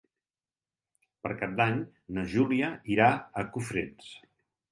Per Cap d'Any na Júlia irà a Cofrents.